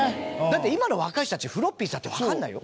だって今の若い人たちフロッピーっつったってわかんないよ。